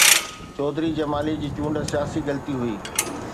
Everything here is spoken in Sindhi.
چوڌري جمالي جي چونڊ سياسي غلطي هئي.